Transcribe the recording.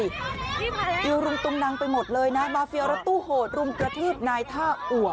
ยื้อหลุงตุ่มนังไปหมดเลยนะมาเฟียและทู่โหดรุ่งกระเทศนายท่าอัวก